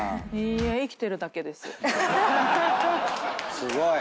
すごい！